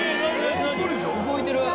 動いてる。